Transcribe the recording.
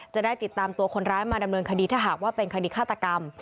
จะได้ติดตามตัวคนร้ายมาดำเนินคดีถ้าหากว่าเป็นคดีฆาตกรรม